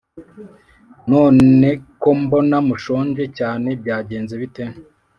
none ko mbona mushonje cyane byagenze bite?